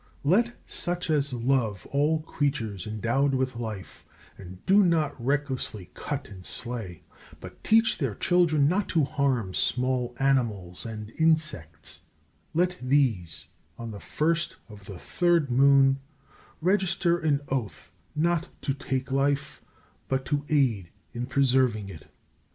Let such as love all creatures endowed with life, and do not recklessly cut and slay, but teach their children not to harm small animals and insects let these, on the 1st of the 3rd moon, register an oath not to take life, but to aid in preserving it.